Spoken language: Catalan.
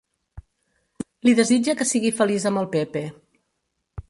Li desitja que sigui feliç amb el Pepe.